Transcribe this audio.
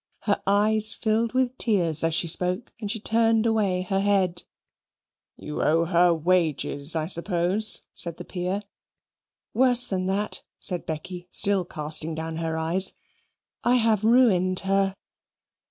Her eyes filled with tears as she spoke, and she turned away her head. "You owe her her wages, I suppose?" said the Peer. "Worse than that," said Becky, still casting down her eyes; "I have ruined her."